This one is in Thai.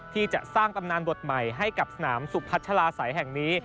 ที่จะสร้างตำนานบทใหม่ให้กับสนามสุพัชลาศัยแห่งนี้